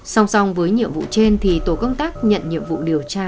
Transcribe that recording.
song song với nhiệm vụ trên thì tổ công tác nhận nhiệm vụ điều tra